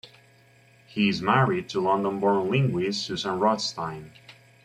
He is married to London-born linguist Susan Rothstein.